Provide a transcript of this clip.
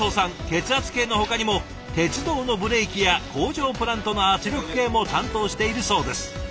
血圧計のほかにも鉄道のブレーキや工場プラントの圧力計も担当しているそうです。